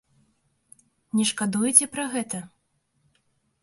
Не шкадуеце пра гэта?